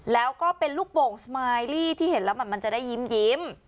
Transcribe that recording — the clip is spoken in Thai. แล้วก็เป็นลูกโป่งสมายลี่ที่เห็นแล้วแบบมันจะได้ยิ้ม